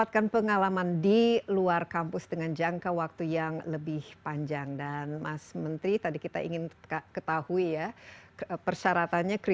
kembali bersama inside with desi anwar